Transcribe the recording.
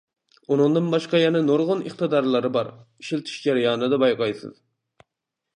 ئۇنىڭدىن باشقا يەنە نۇرغۇن ئىقتىدارلىرى بار، ئىشلىتىش جەريانىدا بايقايسىز.